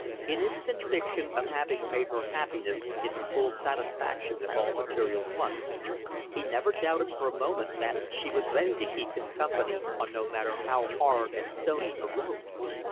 In his conviction of having made her happiness in the full satisfaction of all material wants he never doubted for a moment that she was ready to keep him company on no matter how hard and stony a road.